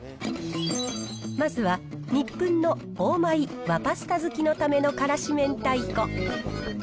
まずは、ニップンのオーマイ和パスタ好きのためのからし明太子。